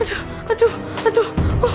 aduh aduh aduh